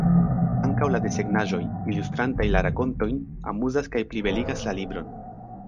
Ankaŭ la desegnaĵoj, ilustrantaj la rakontojn, amuzas kaj plibeligas la libron.